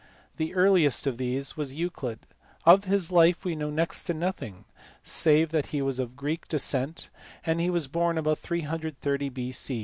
The earliest of these was Euclid. Of his life we know next to nothing, save that he was of Greek descent, and was born about 330 B.C.